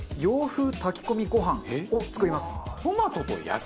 洋風炊き込みご飯を作ります。